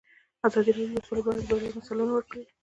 ازادي راډیو د سوله په اړه د بریاوو مثالونه ورکړي.